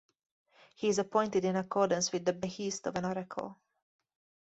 He is appointed in accordance with the behest of an oracle.